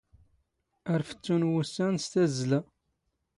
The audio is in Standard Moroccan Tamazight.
ⴰⵔ ⴼⵜⵜⵓⵏ ⵡⵓⵙⵙⴰⵏ ⵙ ⵜⴰⵣⵣⵍⴰ.